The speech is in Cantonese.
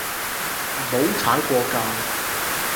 唔好踩過界